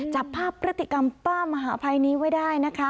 จับภาพพฤติกรรมป้ามหาภัยนี้ไว้ได้นะคะ